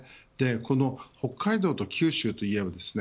この北海道と九州といえばですね